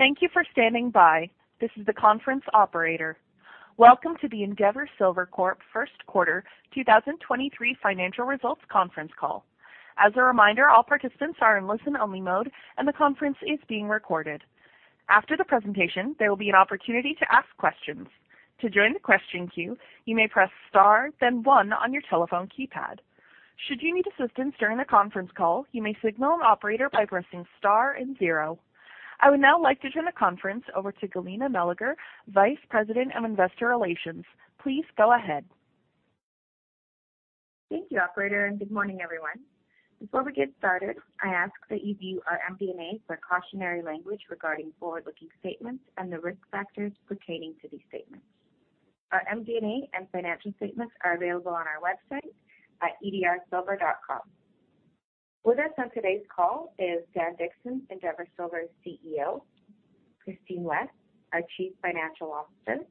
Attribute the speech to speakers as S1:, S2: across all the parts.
S1: Thank you for standing by. This is the conference operator. Welcome to the Endeavour Silver Corp First Quarter 2023 Financial Results Conference Call. As a reminder, all participants are in listen-only mode. The conference is being recorded. After the presentation, there will be an opportunity to ask questions. To join the question queue, you may press Star, then one on your telephone keypad. Should you need assistance during the conference call, you may signal an operator by pressing Star and zero. I would now like to turn the conference over to Galina Meleger, Vice President of Investor Relations. Please go ahead.
S2: Thank you, operator. Good morning, everyone. Before we get started, I ask that you view our MD&A precautionary language regarding forward-looking statements and the risk factors pertaining to these statements. Our MD&A and financial statements are available on our website at edrsilver.com. With us on today's call is Dan Dickson, Endeavour Silver's CEO, Christine West, our Chief Financial Officer,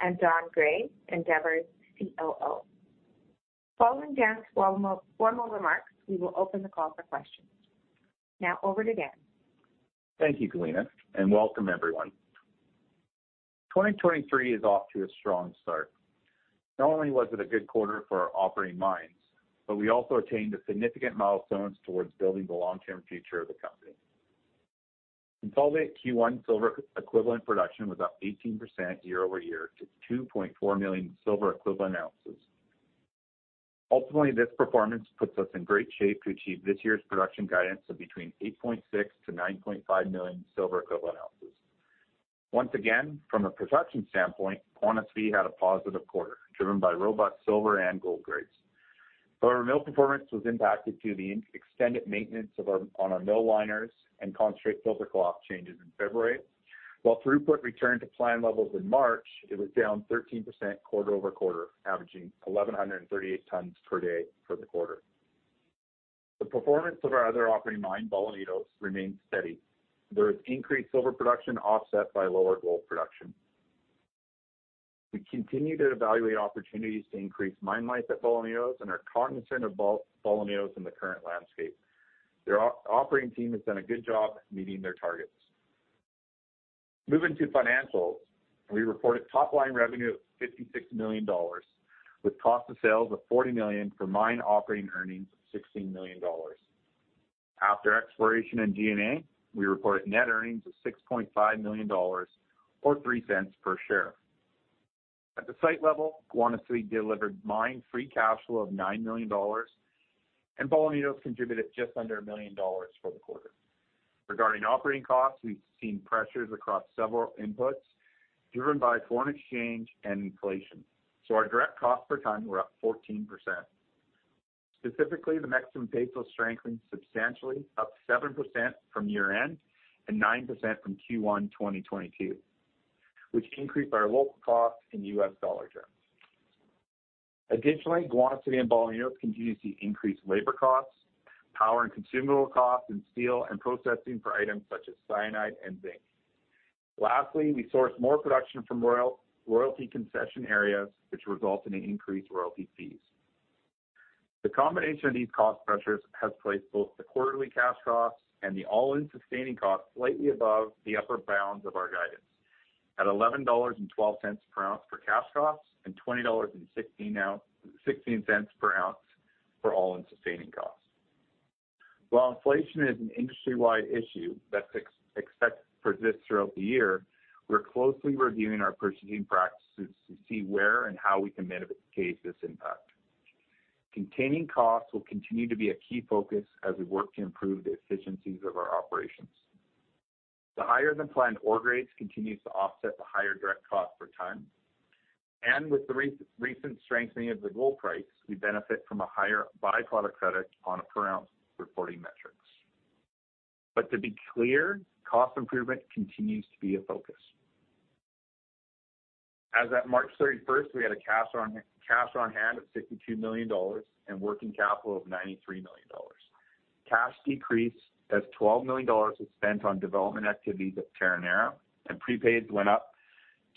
S2: and Don Gray, Endeavour's COO. Following Dan's formal remarks, we will open the call for questions. Over to Dan.
S3: Thank you, Galina. Welcome everyone. 2023 is off to a strong start. Not only was it a good quarter for our operating mines, we also attained significant milestones towards building the long-term future of the company. Consolidated Q1 silver equivalent production was up 18% year-over-year to 2.4 million silver equivalent ounces. Ultimately, this performance puts us in great shape to achieve this year's production guidance of between 8.6 million-9.5 million silver equivalent ounces. Once again, from a production standpoint, Guanacevi had a positive quarter, driven by robust silver and gold grades. However, mill performance was impacted due to the extended maintenance on our mill liners and concentrate filter cloth changes in February. While throughput returned to planned levels in March, it was down 13% quarter-over-quarter, averaging 1,138 tons per day for the quarter. The performance of our other operating mine, Bolañitos, remained steady. There was increased silver production offset by lower gold production. We continue to evaluate opportunities to increase mine life at Bolañitos and are cognizant of Bolañitos in the current landscape. Their operating team has done a good job meeting their targets. Moving to financials, we reported top-line revenue of $56 million with cost of sales of $40 million for mine operating earnings of $16 million. After exploration and G&A, we report net earnings of $6.5 million or $0.03 per share. At the site level, Guanacevi delivered mine free cash flow of $9 million, and Bolañitos contributed just under $1 million for the quarter. Regarding operating costs, we've seen pressures across several inputs driven by foreign exchange and inflation, so our direct costs per ton were up 14%. Specifically, the Mexican peso strengthened substantially, up 7% from year-end and 9% from Q1 2022, which increased our local costs in U.S. dollar terms. Additionally, Guanacevi and Bolañitos continues to increase labor costs, power and consumable costs, and steel and processing for items such as cyanide and zinc. Lastly, I sourced more production from royalty concession areas which result in increased royalty fees. The combination of these cost pressures has placed both the quarterly cash costs and the all-in sustaining costs slightly above the upper bounds of our guidance at $11.12 per ounce for cash costs and $20.16 per ounce for all-in sustaining costs. While inflation is an industry-wide issue that's expect to persist throughout the year, we're closely reviewing our purchasing practices to see where and how we can mitigate this impact. Containing costs will continue to be a key focus as we work to improve the efficiencies of our operations. The higher-than-planned ore grades continues to offset the higher direct cost per ton, and with the recent strengthening of the gold price, we benefit from a higher by-product credit on a per-ounce reporting metrics. To be clear, cost improvement continues to be a focus. As at March 31st, we had a cash on hand of $62 million and working capital of $93 million. Cash decreased as $12 million was spent on development activities at Terronera, and prepaids went up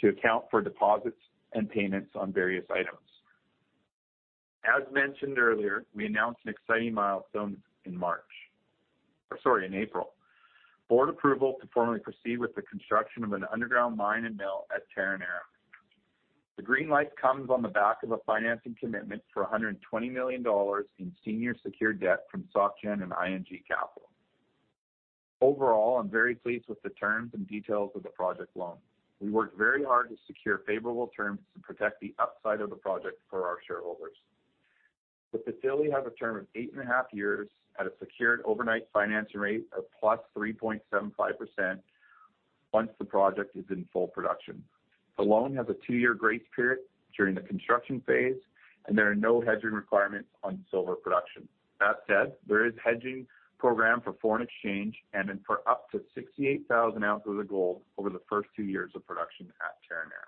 S3: to account for deposits and payments on various items. As mentioned earlier, we announced an exciting milestone in March. Sorry, in April. Board approval to formally proceed with the construction of an underground mine and mill at Terronera. The green light comes on the back of a financing commitment for $120 million in senior secured debt from SocGen and ING Capital. Overall, I'm very pleased with the terms and details of the project loan. We worked very hard to secure favorable terms to protect the upside of the project for our shareholders. The facility has a term of 8.5 years at a secured overnight financing rate of +3.75% once the project is in full production. The loan has a two-year grace period during the construction phase, there are no hedging requirements on silver production. That said, there is hedging program for foreign exchange and then for up to 68,000 ounces of gold over the first two years of production at Terronera.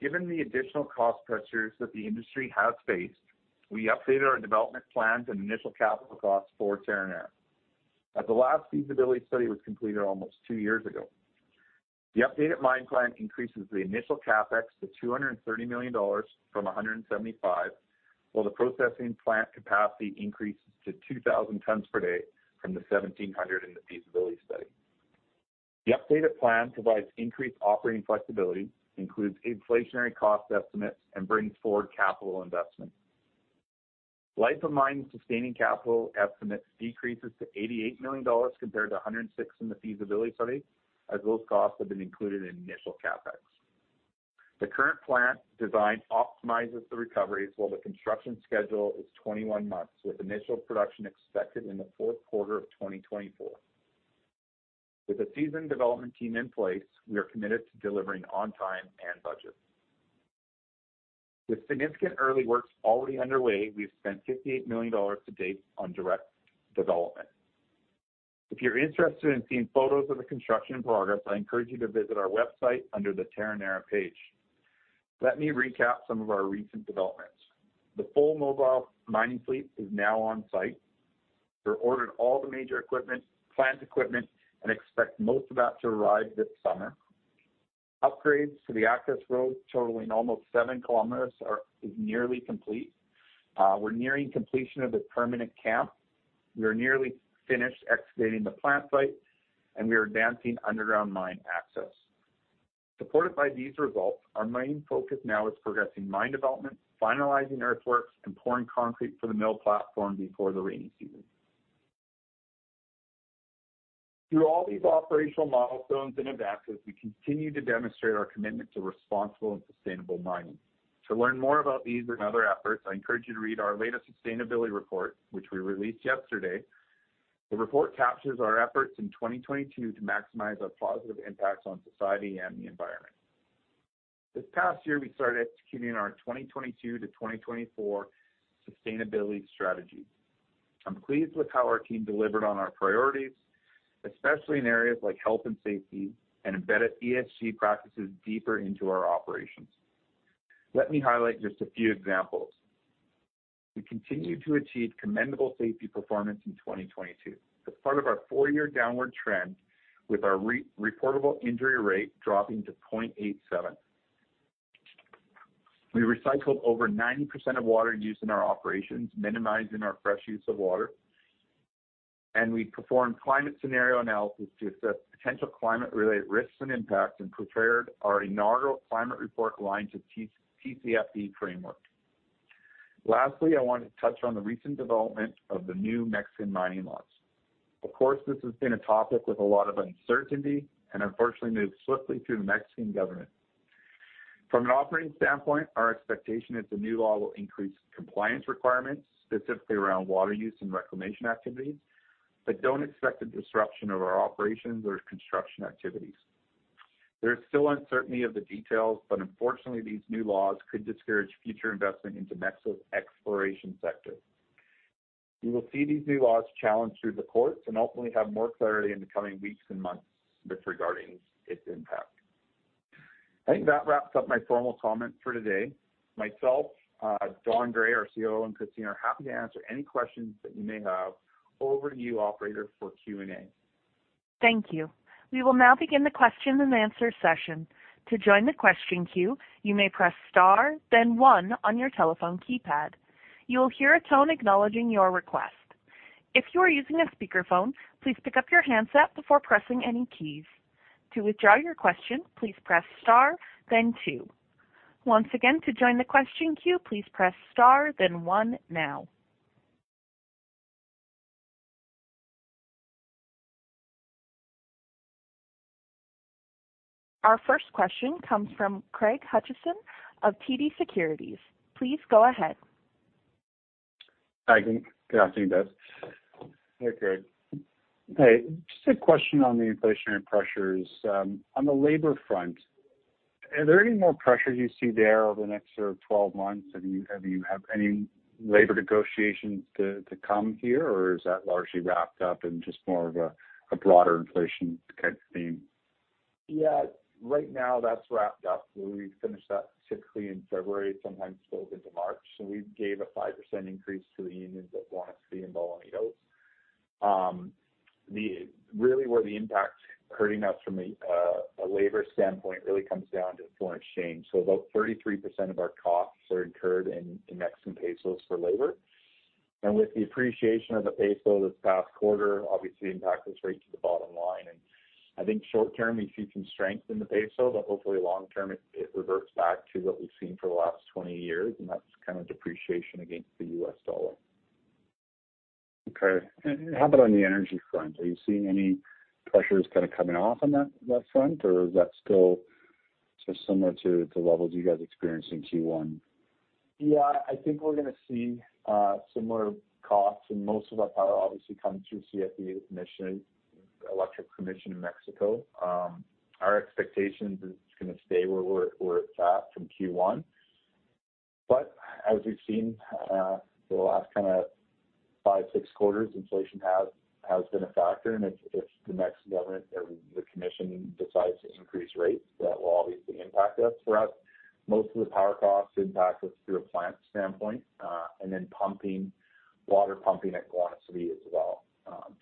S3: Given the additional cost pressures that the industry has faced, we updated our development plans and initial capital costs for Terronera. As the last feasibility study was completed almost two years ago. The updated mine plan increases the initial CapEx to $230 million from $175 million, while the processing plant capacity increases to 2,000 tons per day from the 1,700 tons in the feasibility study. The updated plan provides increased operating flexibility, includes inflationary cost estimates, and brings forward capital investment. Life of mine sustaining capital estimates decreases to $88 million compared to $106 million in the feasibility study, as those costs have been included in initial CapEx. The current plant design optimizes the recoveries while the construction schedule is 21 months, with initial production expected in the fourth quarter of 2024. With a seasoned development team in place, we are committed to delivering on time and budget. With significant early works already underway, we've spent $58 million to date on direct development. If you're interested in seeing photos of the construction progress, I encourage you to visit our website under the Terronera page. Let me recap some of our recent developments. The full mobile mining fleet is now on site. We ordered all the major equipment, plant equipment, and expect most of that to arrive this summer. Upgrades to the access road totaling almost 7 kilometers is nearly complete. We're nearing completion of the permanent camp. We are nearly finished excavating the plant site, and we are advancing underground mine access. Supported by these results, our main focus now is progressing mine development, finalizing earthworks, and pouring concrete for the mill platform before the rainy season. Through all these operational milestones and advances, we continue to demonstrate our commitment to responsible and sustainable mining. To learn more about these and other efforts, I encourage you to read our latest sustainability report, which we released yesterday. The report captures our efforts in 2022 to maximize our positive impacts on society and the environment. This past year, we started executing our 2022-2024 sustainability strategy. I'm pleased with how our team delivered on our priorities, especially in areas like health and safety and embedded ESG practices deeper into our operations. Let me highlight just a few examples. We continued to achieve commendable safety performance in 2022. It's part of our four-year downward trend with our reportable injury rate dropping to 0.87. We recycled over 90% of water used in our operations, minimizing our fresh use of water. We performed climate scenario analysis to assess potential climate-related risks and impacts and prepared our inaugural climate report aligned to TCFD framework. Lastly, I want to touch on the recent development of the new Mexican mining laws. Of course, this has been a topic with a lot of uncertainty and unfortunately moved swiftly through the Mexican government. From an operating standpoint, our expectation is the new law will increase compliance requirements, specifically around water use and reclamation activities. Don't expect a disruption of our operations or construction activities. There's still uncertainty of the details. Unfortunately, these new laws could discourage future investment into Mexico's exploration sector. We will see these new laws challenged through the courts and hopefully have more clarity in the coming weeks and months with regarding its impact. I think that wraps up my formal comment for today. Myself, Don Gray, our COO, and Christine are happy to answer any questions that you may have. Over to you, operator, for Q&A.
S1: Thank you. We will now begin the question-and-answer session. To join the question queue, you may press star then one on your telephone keypad. You will hear a tone acknowledging your request. If you are using a speakerphone, please pick up your handset before pressing any keys. To withdraw your question, please press star then two. Once again, to join the question queue, please press star then one now. Our first question comes from Craig Hutchison of TD Securities. Please go ahead.
S4: Hi, good afternoon, guys.
S3: Hey, Craig.
S4: Hey, just a question on the inflationary pressures. On the labor front, are there any more pressures you see there over the next sort of 12 months? Have you any labor negotiations to come here, or is that largely wrapped up in just more of a broader inflation kind of theme?
S3: Yeah. Right now that's wrapped up. We finished that typically in February, sometimes spilled into March, we gave a 5% increase to the unions at Guanacevi and Bolañitos. Really where the impact hurting us from a labor standpoint really comes down to foreign exchange. About 33% of our costs are incurred in Mexican pesos for labor. With the appreciation of the peso this past quarter, obviously impacted straight to the bottom line. I think short term, we see some strength in the peso, but hopefully long term it reverts back to what we've seen for the last 20 years, and that's kind of depreciation against the US dollar.
S4: Okay. How about on the energy front? Are you seeing any pressures kind of coming off on that front, or is that still just similar to levels you guys experienced in Q1?
S3: Yeah. I think we're gonna see similar costs, most of our power obviously comes through CFE, the commission, electric commission in Mexico. Our expectation is it's gonna stay where it's at from Q1. As we've seen, for the last kinda five, six quarters, inflation has been a factor. If the Mexican government or the commission decides to increase rates, that will obviously impact us. Most of the power costs impact us through a plant standpoint, and then pumping, water pumping at Guanacevi as well.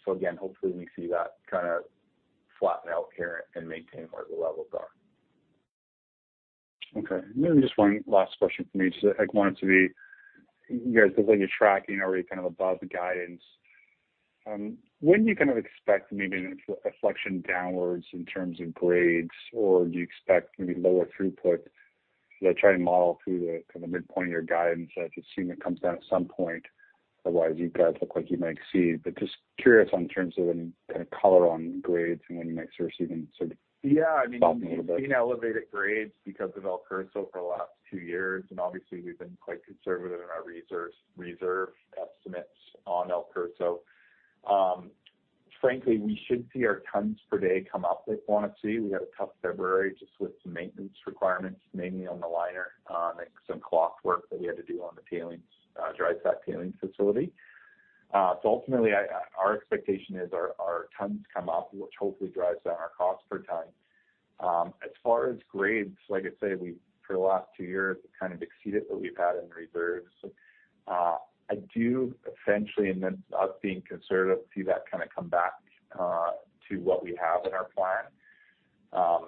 S3: Again, hopefully we see that kind of flatten out here and maintain where the levels are.
S4: Maybe just one last question for me. At Guanacevi, you guys, it looks like you're tracking already kind of above the guidance. When do you kind of expect maybe a reflection downwards in terms of grades? Or do you expect maybe lower throughput as I try and model through the kind of midpoint of your guidance, I assume it comes down at some point. Otherwise, you guys look like you might exceed. Just curious on terms of any kind of color on grades and when you might start seeing some.
S3: Yeah, I mean...
S4: dropping a little bit.
S3: We've seen elevated grades because of El Curso for the last two years. Obviously we've been quite conservative in our reserve estimates on El Curso. Frankly, we should see our tons per day come up at Guanacevi. We had a tough February just with some maintenance requirements, mainly on the liner, and some clockwork that we had to do on the tailings, dry stack tailings facility. Ultimately our expectation is our tons come up, which hopefully drives down our cost per ton. As far as grades, like I say, we, for the last two years have kind of exceeded what we've had in reserves. I do essentially, and then us being conservative, see that kind of come back to what we have in our plan.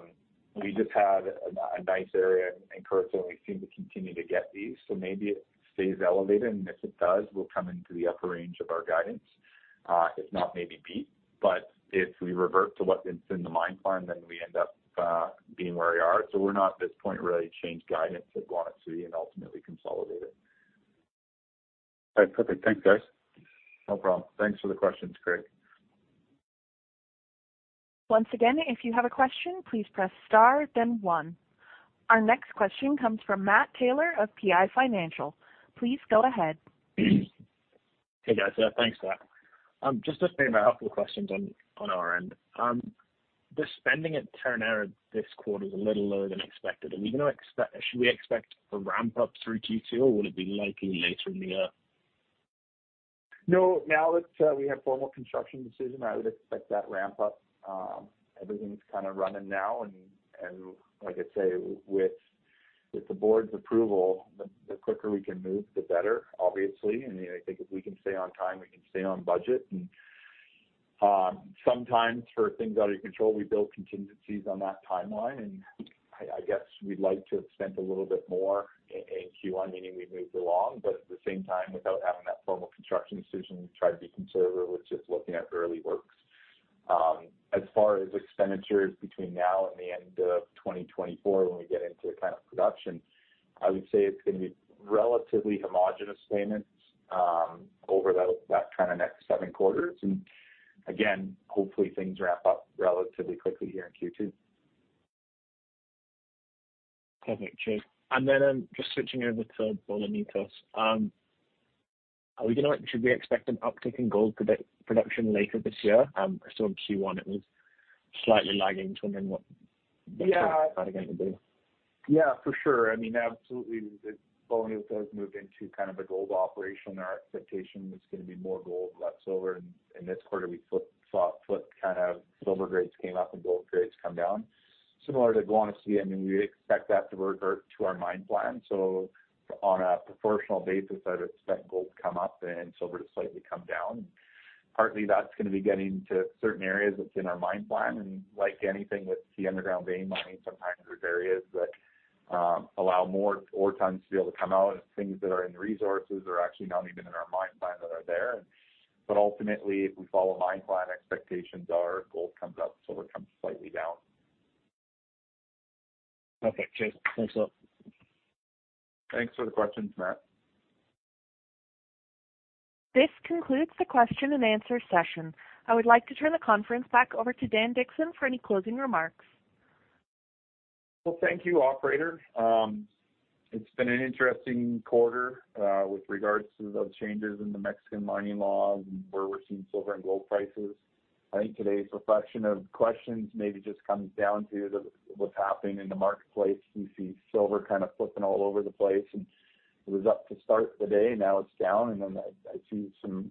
S3: We just had a nice area in El Curso, and we seem to continue to get these, so maybe it stays elevated, and if it does, we'll come into the upper range of our guidance, if not, maybe beat. If we revert to what's in the mine plan, then we end up being where we are. We're not, at this point, ready to change guidance at Guanacevi and ultimately consolidate it.
S4: All right. Perfect. Thanks, guys.
S3: No problem. Thanks for the questions, Craig.
S1: Once again, if you have a question, please press star then one. Our next question comes from Matt Taylor of PI Financial. Please go ahead.
S5: Hey, guys. Thanks for that. Just a favor, a couple questions on our end. The spending at Terronera this quarter's a little lower than expected. Should we expect a ramp up through Q2, or would it be likely later in the year?
S3: No. Now that we have formal construction decision, I would expect that ramp up, everything's kind of running now. Like I say, with the board's approval, the quicker we can move, the better obviously. I think if we can stay on time, we can stay on budget. Sometimes for things out of control, we build contingencies on that timeline, I guess we'd like to have spent a little bit more in Q1, meaning we've moved along. At the same time, without having that formal construction decision, we try to be conservative with just looking at early works. As far as expenditures between now and the end of 2024, when we get into the kind of production, I would say it's gonna be relatively homogenous payments over that kind of next seven quarters. Again, hopefully things ramp up relatively quickly here in Q2.
S5: Perfect. Cheers. Just switching over to Bolañitos. Should we expect an uptick in gold production later this year? I saw in Q1 it was slightly lagging. Just wondering.
S3: Yeah.
S5: going to do.
S3: Yeah, for sure. I mean, absolutely, as Bolañitos has moved into kind of a gold operation, our expectation is gonna be more gold, less silver. In this quarter, we flipped, kind of silver grades came up, and gold grades come down. Similar to Guanacevi, I mean, we expect that to revert to our mine plan. On a proportional basis, I'd expect gold to come up and silver to slightly come down. Partly that's gonna be getting to certain areas that's in our mine plan. Like anything with the underground vein mining, sometimes there's areas that allow more ore tons to be able to come out, and things that are in resources are actually not even in our mine plan that are there. Ultimately, if we follow mine plan expectations, our gold comes up, silver comes slightly down.
S5: Perfect. Cheers. Thanks a lot.
S3: Thanks for the questions, Matt.
S1: This concludes the question and answer session. I would like to turn the conference back over to Dan Dickson for any closing remarks.
S3: Well, thank you, operator. It's been an interesting quarter with regards to the changes in the Mexican mining laws and where we're seeing silver and gold prices. I think today's reflection of questions maybe just comes down to what's happening in the marketplace. We see silver kind of flipping all over the place. It was up to start the day, now it's down. Then I see some,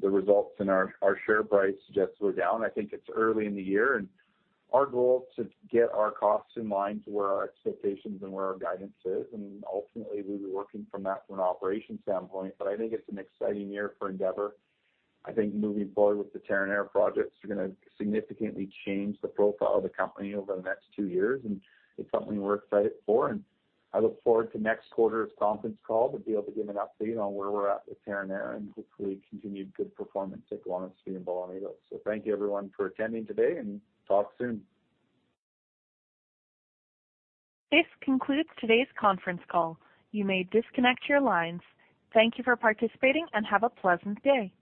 S3: the results in our share price suggests we're down. I think it's early in the year. Our goal to get our costs in line to where our expectations and where our guidance is, and ultimately we'll be working from that from an operations standpoint. I think it's an exciting year for Endeavour. I think moving forward with the Terronera projects are gonna significantly change the profile of the company over the next two years, and it's something we're excited for. I look forward to next quarter's conference call to be able to give an update on where we're at with Terronera and hopefully continued good performance at Guanacevi and Bolañitos. Thank you everyone for attending today, and talk soon.
S1: This concludes today's conference call. You may disconnect your lines. Thank you for participating, and have a pleasant day.